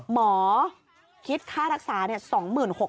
หมอคิดค่ารักษาเนี่ย